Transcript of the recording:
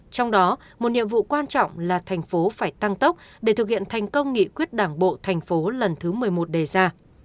trong đó một nhiệm vụ quan trọng là thành phố phải tăng tốc để thực hiện thành công nghị quyết đảng bộ thành phố lần thứ một mươi một đề ra